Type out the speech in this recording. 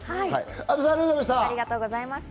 阿部さん、ありがとうございました。